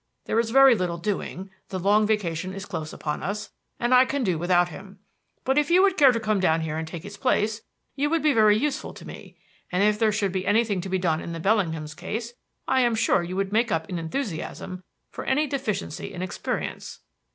There is very little doing; the long vacation is close upon us, and I can do without him. But if you would care to come down here and take his place, you would be very useful to me; and if there should be anything to be done in the Bellinghams' case, I am sure you would make up in enthusiasm for any deficiency in experience."